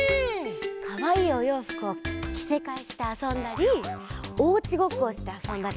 かわいいおようふくをきせかえしてあそんだりおうちごっこをしてあそんだりしてたよ。